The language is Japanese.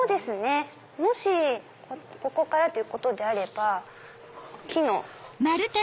もしここからということであれば木の。